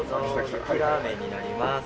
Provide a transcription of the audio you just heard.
ゆきラーメンになります。